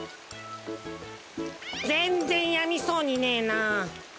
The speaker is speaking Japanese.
ぜんぜんやみそうにねえなあ。